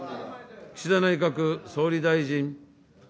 岸田内閣総理大臣。